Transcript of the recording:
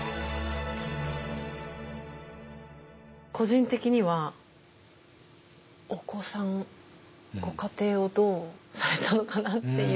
個人的にはお子さんご家庭をどうされたのかなっていう。